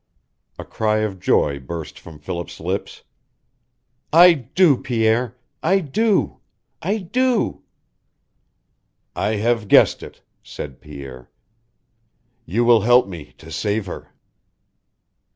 A cry of joy burst from Philip's lips. "I do, Pierre I do I do " "I have guessed it," said Pierre. "You will help me to save her!"